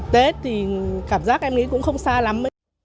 tết thì cảm giác em nghĩ cũng không xa lắm mấy